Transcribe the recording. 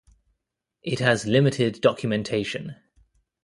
It has limited documentation